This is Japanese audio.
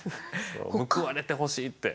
報われてほしいって。